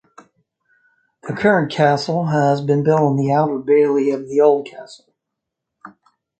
The current castle has been built on the outer bailey of the old castle.